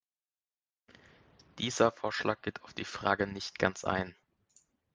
Dieser Vorschlag geht auf die Frage nicht ganz ein.